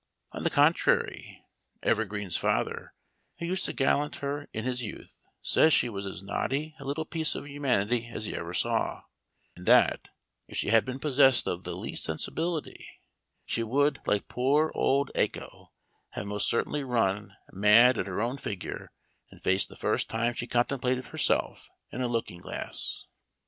On the contrary, Evergreen's father, who used to gallant her in his youth, says she was as knotty a little piece of humanity as he ever saw ; and that, if she had been possessed of the least sensibility, she would, like poor old Acco, have most certainly run mad at her own figure and face the first time she contemplated herself in a looking glass.